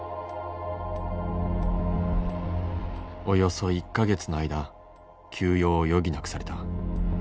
およそ１か月の間休養を余儀なくされた。